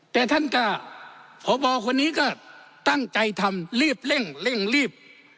แต่ท่านก็พบคนนี้ก็ตั้งใจทำรีบเร่งเร่งรีบ